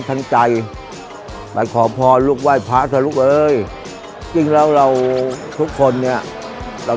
อย่าไปทุ่มเทมส่วนเกินไป